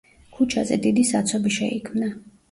ქუჩაზე დიდი საცობი შეიქმნა.